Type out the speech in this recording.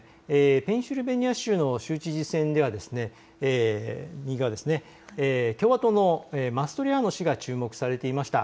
ペンシルベニア州の州知事選では右側、共和党のマストリアーノ氏が注目されていました。